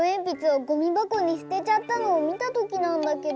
ゴミばこにすてちゃったのをみたときなんだけど。